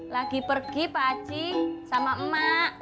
lagi pergi pak aci sama emak